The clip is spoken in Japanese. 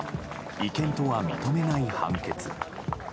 違憲とは認めない判決。